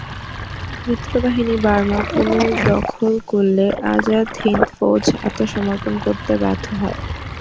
মিত্রবাহিনী Burma পুনর্দখল করলে আজাদ হিন্দ ফৌজ আত্মসমপর্ণ করতে বাধ্য হয়।